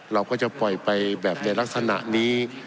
เราก็จะปล่อยไปแบบในลักษณะนี้